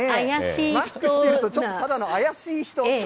マスクしてると、ただの怪しい人。